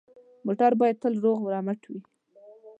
موټر باید تل روغ رمټ وي.